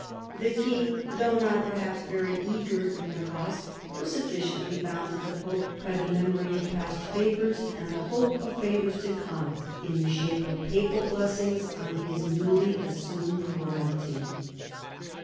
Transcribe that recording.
The king, though not perhaps very eager in the cause, was sufficiently bound to the pope by the memory of past favors, and the hope of favors to come, in the shape of papal blessings on his newly assumed royalty.